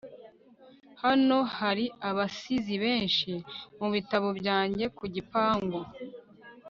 hano hari abasizi benshi mubitabo byanjye ku gipangu